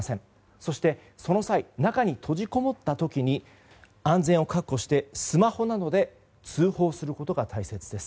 そして、その際中に閉じこもった時に安全を確保してスマホなどで通報することが大切です。